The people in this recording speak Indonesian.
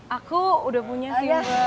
aku udah punya jomblo